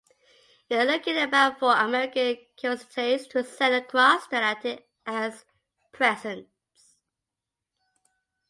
We are looking about for American curiosities to send across the Atlantic as presents.